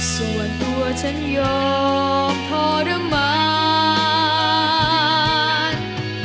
ส่วนตัวฉันยอมทรมาน